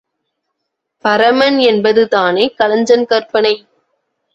பரமன் என்பது தானே கலைஞன் கற்பனை.